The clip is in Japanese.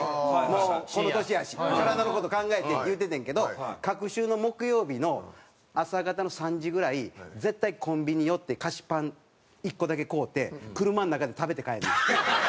もうこの年やし体の事を考えてって言うててんけど隔週の木曜日の朝方の３時ぐらい絶対コンビニ寄って菓子パン１個だけ買うて車の中で食べて帰んねん。